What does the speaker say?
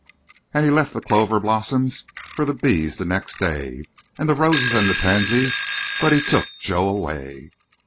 "An' He left the clover blossoms fo' the bees the next day An' the roses an' the pansies, but He took Jo away.